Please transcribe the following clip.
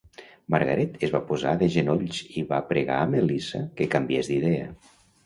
Margaret es va posar de genolls i va pregar a Melissa que canviés d'idea.